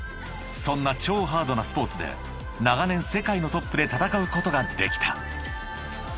［そんな超ハードなスポーツで長年世界のトップで戦うことができた］